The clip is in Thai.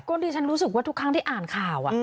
ก็ดิฉันรู้สึกว่าทุกครั้งที่อ่านข่าว